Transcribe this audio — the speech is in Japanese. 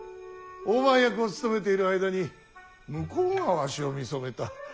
大番役を務めている間に向こうがわしを見初めた。